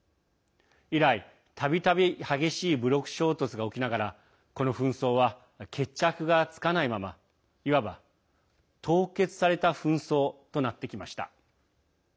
以来、たびたび激しい武力衝突が起きながらこの紛争は決着がつかないままいわば凍結された紛争となってきました。